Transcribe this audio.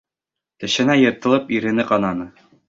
Тешенә йыртылып ирене ҡананы.